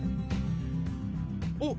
おっ！